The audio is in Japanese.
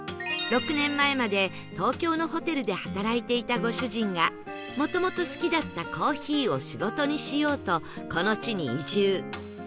６年前まで東京のホテルで働いていたご主人がもともと好きだったコーヒーを仕事にしようとこの地に移住